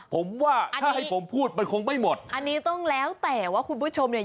ผมว่าถ้าให้ผมพูดมันคงไม่หมดอันนี้ต้องแล้วแต่ว่าคุณผู้ชมเนี่ย